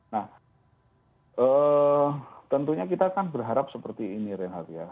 nah tentunya kita kan berharap seperti ini reinhardt ya